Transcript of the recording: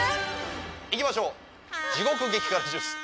いきましょう地獄激辛ジュース